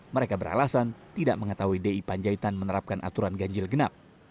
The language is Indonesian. mereka beralasan tidak mengetahui di panjaitan menerapkan aturan ganjil genap